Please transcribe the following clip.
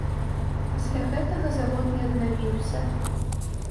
Пасля гэтага завод не аднавіўся.